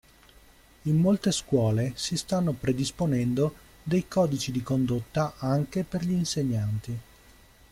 In molte scuole si stanno predisponendo dei codici di condotta anche per gli insegnanti.